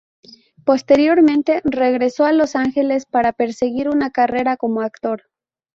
Posteriormente, regresó a Los Ángeles para perseguir una carrera como actor.